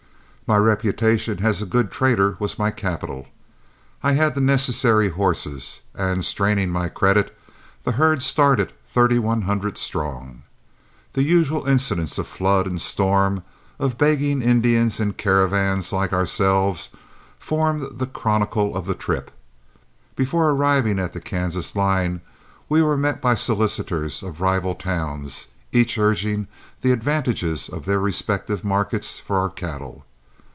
My reputation as a good trader was my capital. I had the necessary horses, and, straining my credit, the herd started thirty one hundred strong. The usual incidents of flood and storm, of begging Indians and caravans like ourselves, formed the chronicle of the trip. Before arriving at the Kansas line we were met by solicitors of rival towns, each urging the advantages of their respective markets for our cattle.